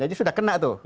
jadi sudah kena tuh